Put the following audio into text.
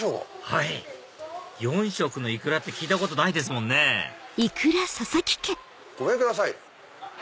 はい４色のイクラって聞いたことないですもんねごめんください！